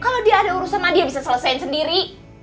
kalo dia ada urusan sama dia bisa selesain sendiri